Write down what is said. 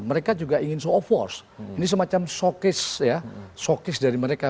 mereka juga ingin show of force ini semacam showcase ya showcase dari mereka